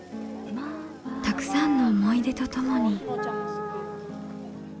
たくさんの思い出とともに。